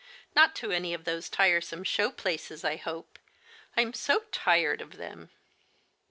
" Not to any of those tire some show places, I hope? I'm so tired of them!"